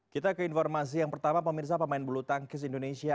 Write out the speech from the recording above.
kita ke informasi yang pertama pemirsa pemain bulu tangkis indonesia